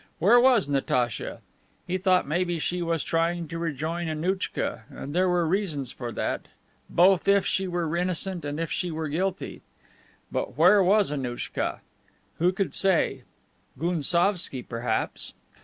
Where was Natacha? He thought maybe she was trying to rejoin Annouchka, and there were reasons for that, both if she were innocent and if she were guilty. But where was Annouchka? Who could say! Gounsovski perhaps.